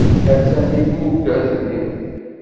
Attan deg tmugert-nni.